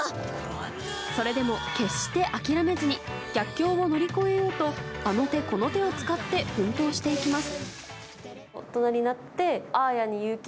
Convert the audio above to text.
それでも決して諦めずに逆境を乗り越えようとあの手この手を使って奮闘していきます。